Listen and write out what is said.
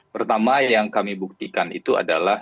pertama yang kami buktikan itu adalah